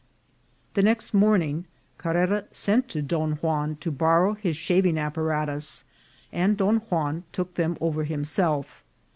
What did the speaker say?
The next morning Carrera sent to Don Juan to bor row his shaving apparatus, and Don Juan took them over himself.